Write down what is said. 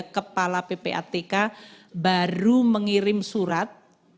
kepala ppatk baru mengirim surat